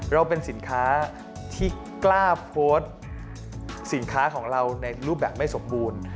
เราเป็นสินค้าที่กล้าโพสต์สินค้าของเราในรูปแบบไม่สมบูรณ์